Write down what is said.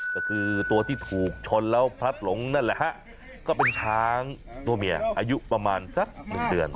ก็คือตัวที่ถูกชนแล้วพลัดหลงนั่นแหละฮะก็เป็นช้างตัวเมียอายุประมาณสักหนึ่งเดือน